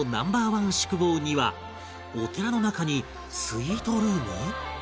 １宿坊にはお寺の中にスイートルーム？